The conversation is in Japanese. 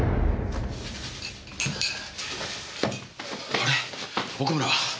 あれ奥村は？